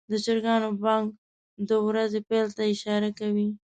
د چرګانو بانګ د ورځې پیل ته اشاره کوي.